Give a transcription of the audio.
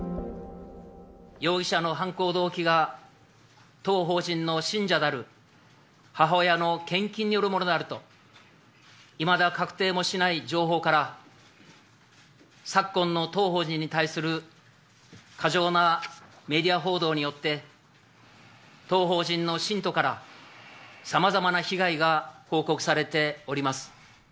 容疑者の犯行動機が、当法人の信者である母親の献金によるものであると、いまだ確定もしない情報から、昨今の当法人に対する過剰なメディア報道によって、当法人の信徒から、さまざまな被害が報告されております。